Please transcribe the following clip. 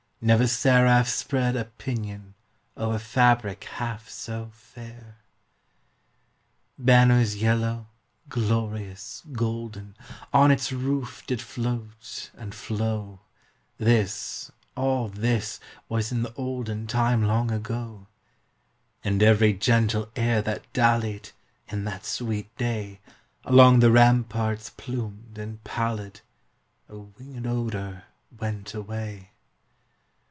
Never seraph spread a pinion Over fabric half so fair! Banners yellow, glorious, golden, On its roof did float and flow, (This all this was in the olden Time long ago), And every gentle air that dallied, In that sweet day, Along the ramparts plumed and pallid, A winged odor went away.